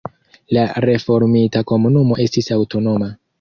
La reformita komunumo estis aŭtonoma.